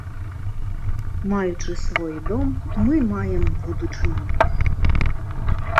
Маючы свой дом, мы маем будучыню.